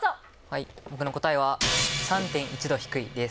はい僕の答えは「３．１度低い」です。